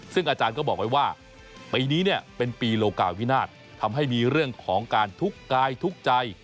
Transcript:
ซึ่งอาจารย์ก็บอกไว้ว่าปีนี้เนี่ยเป็นปีโลกาวินาศทำให้มีเรื่องของการทุกข์กายทุกข์ใจ